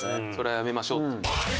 「それはやめましょう」って。